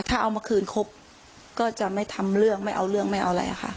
ถ้าเอามาคืนครบก็จะไม่ทำเรื่องไม่เอาเรื่องไม่เอาอะไรค่ะ